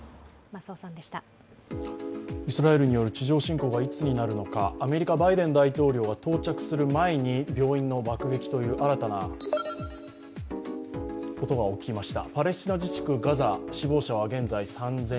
イスラエルによる地上侵攻がいつになるのかアメリカ・バイデン大統領が到着する前に病院の爆撃という新たなことが起きました。